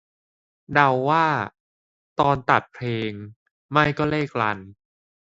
เดาว่า ตอนตัดเพลง ไม่ก็เลขรัน